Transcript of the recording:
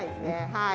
はい。